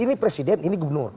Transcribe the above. ini presiden ini gubernur